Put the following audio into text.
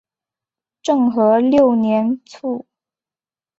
政和六年卒。